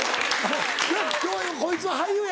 今日こいつは「俳優や」